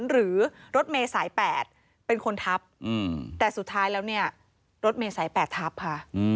หรือรถเมย์สาย๘เป็นคนทับแต่สุดท้ายแล้วเนี่ยรถเมย์สาย๘ทับค่ะ